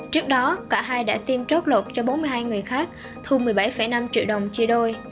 trước đó cả hai đã tiêm chốt lột cho bốn mươi hai người khác thu một mươi bảy năm triệu đồng chia đôi